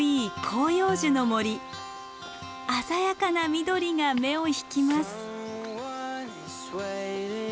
鮮やかな緑が目を引きます。